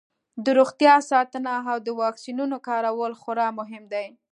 د روغتیا ساتنه او د واکسینونو کارول خورا مهم دي.